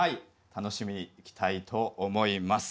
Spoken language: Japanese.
楽しみにいきたいと思います。